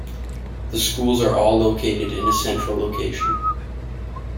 The schools are all located in a central location.